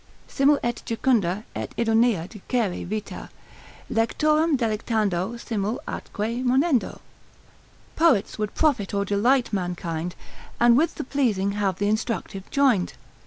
Simul et jucunda et idonea dicere vita, Lectorem delectando simul atque monendo. Poets would profit or delight mankind, And with the pleasing have th' instructive joined.